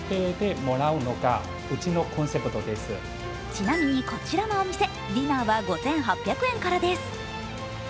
ちなみにこちらのお店ディナーは５８００円からです。